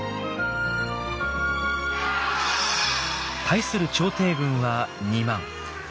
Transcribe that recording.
対する朝廷軍は２万。